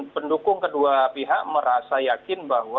pendukung kedua pihak merasa yakin bahwa